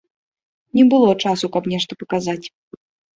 Не было часу, каб нешта паказаць.